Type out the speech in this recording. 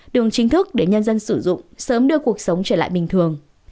đường chính thức để nhân dân sử dụng sớm đưa cuộc sống trở lại bình thường